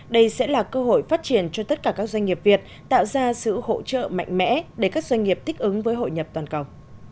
đây sẽ là cơ hội phát triển cho tất cả các doanh nghiệp việt tạo ra sự hỗ trợ mạnh mẽ để các doanh nghiệp thích ứng với hội nhập toàn cầu